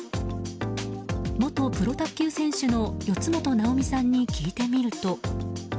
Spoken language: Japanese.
元プロ卓球選手の四元奈生美さんに聞いてみると。